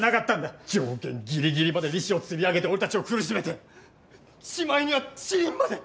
上限ぎりぎりまで利子をつりあげて俺たちを苦しめてしまいには死人まで。